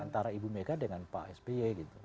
antara ibu mega dengan pak sby gitu